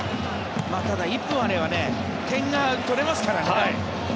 ただ１分あれば点が取れますからね。